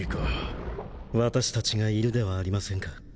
私たちがいるではありませんか。